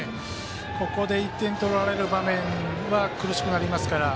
ここで１点取られる場面は苦しくなりますから。